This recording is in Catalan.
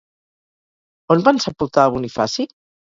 On van sepultar a Bonifaci?